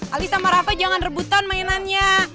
ali sama rafa jangan rebutan mainannya